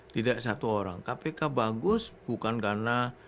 tidak satu orang kpk bagus bukan karena